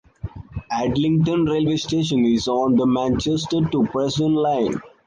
Adlington railway station is on the Manchester to Preston Line.